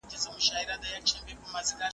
فلسفه د مذهب په خدمت کي وه.